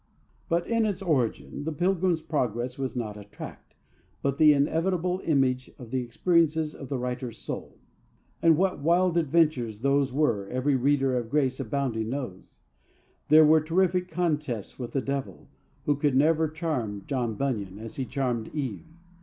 But in its origin The Pilgrim's Progress was not a tract, but the inevitable image of the experiences of the writer's soul. And what wild adventures those were every reader of Grace Abounding knows. There were terrific contests with the Devil, who could never charm John Bunyan as he charmed Eve.